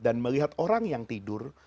dan melihat orang yang tidur